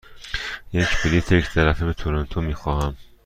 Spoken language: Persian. یک بلیط یک طرفه به تورنتو می خواهم.